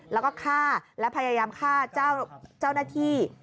แล้วก็ฆ่าและพยายามฆ่าเจ้าหน้าที่